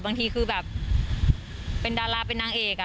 บางทีคือแบบเป็นดาราเป็นนางเอก